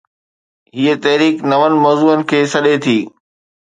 هي ’تحريڪ‘ نون موضوعن کي سڏي ٿي.